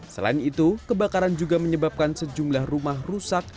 selain itu kebakaran juga menyebabkan sejumlah rumah rusak